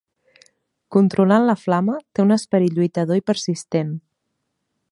Controlant la flama, té un esperit lluitador i persistent.